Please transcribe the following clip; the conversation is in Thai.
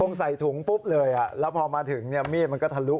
คงใส่ถุงปุ๊บเลยอ่ะแล้วพอมาถึงมีดมันก็ทะลุ